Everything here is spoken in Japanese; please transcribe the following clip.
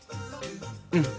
うん。